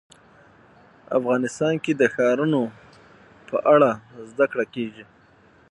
افغانستان کې د ښارونه په اړه زده کړه کېږي.